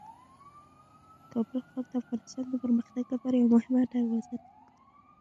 کابل ښار د افغانستان د پرمختګ لپاره یوه مهمه دروازه ده.